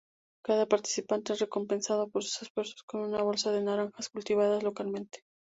Cada participante es recompensado por sus esfuerzos con una bolsa de naranjas cultivadas localmente.